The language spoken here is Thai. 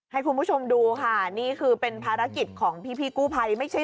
ให้คุณผู้ชมดูค่ะนี่คือเป็นภารกิจของพี่กู้ภัยไม่ใช่